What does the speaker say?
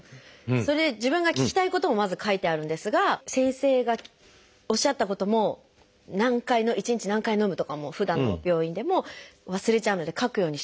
それで自分が聞きたいこともまず書いてあるんですが先生がおっしゃったことも何回一日何回のむとかもふだんの病院でも忘れちゃうので書くようにしてるんです。